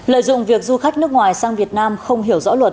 lợi dụng việc du khách nước ngoài sang việt nam không hiểu rõ luật